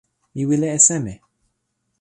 mi wile e seme?